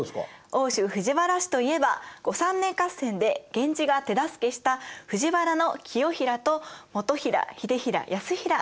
奥州藤原氏といえば後三年合戦で源氏が手助けした藤原清衡と基衡秀衡泰衡ですよね。